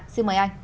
xin mời anh